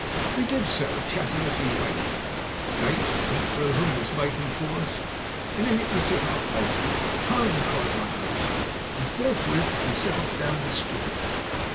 "We did so, chatting as we went. At the gates a neat brougham was waiting for us, and in it we took our places. "'Home,' cried my host, and forthwith we set off down the street.